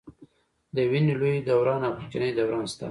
د وینې لوی دوران او کوچني دوران شته.